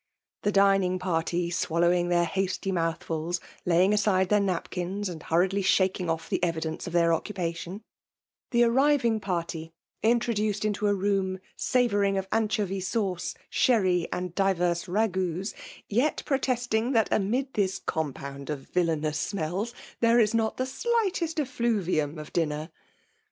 ^e dining party swallowing their hasty mouthfals^ laying aside their napkins, and hurriedly shaking off the evidence of their occupation — the arriving party intro duced into a room' savouring of anchovy sauce, sherry^ and tdivers ragouts, yet protesting, that amid this compound of villainous smells, there is not the slightest effluvium of dinner